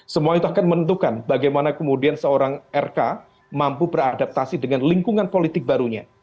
semua itu akan menentukan bagaimana kemudian seorang rk mampu beradaptasi dengan lingkungan politik barunya